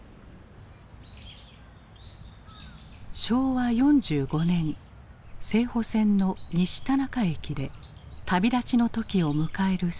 昭和４５年浦線の西田中駅で旅立ちの時を迎える青年がいた。